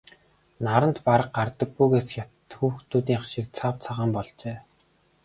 Наранд бараг гардаггүйгээс хятад хүүхнүүдийнх шиг цав цагаан болжээ.